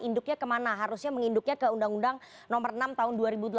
induknya kemana harusnya menginduknya ke undang undang nomor enam tahun dua ribu delapan belas